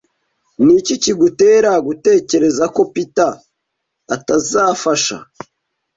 Niki kigutera gutekereza ko Peter atazafasha?